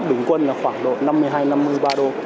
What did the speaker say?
giá bình quân là khoảng độ năm mươi hai năm mươi ba đô